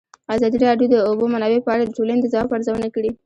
ازادي راډیو د د اوبو منابع په اړه د ټولنې د ځواب ارزونه کړې.